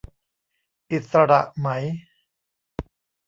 อิสระไหม